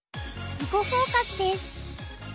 「囲碁フォーカス」です。